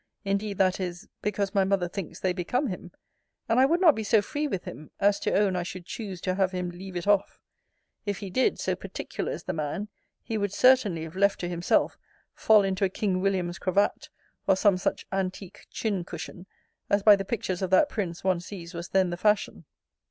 Indeed, that is, because my mother thinks they become him; and I would not be so free with him, as to own I should choose to have him leave it off. If he did, so particular is the man, he would certainly, if left to himself, fall into a King William's cravat, or some such antique chin cushion, as by the pictures of that prince one sees was then the fashion.